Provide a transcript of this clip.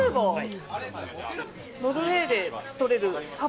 ノルウェーで取れるサバ？